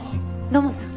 土門さん